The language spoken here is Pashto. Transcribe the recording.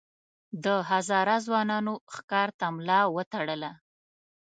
د هزاره ځوانانو ښکار ته ملا وتړله.